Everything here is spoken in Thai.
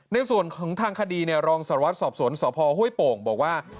ในส่วนของทางคดีรองสารวัตรสอบสวนสพห้วยโป่งบอกว่า